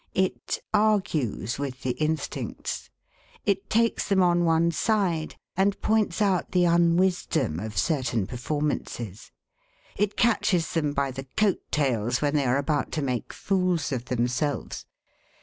It argues with the instincts. It takes them on one side and points out the unwisdom of certain performances. It catches them by the coat tails when they are about to make fools of themselves.